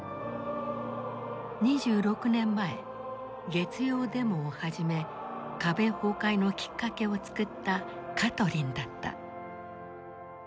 ２６年前月曜デモを始め壁崩壊のきっかけを作ったカトリンだった。